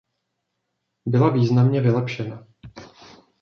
Byla významně vylepšena.